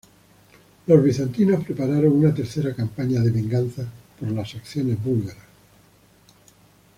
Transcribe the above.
Los bizantinos prepararon una tercera campaña de venganza por las acciones búlgaras.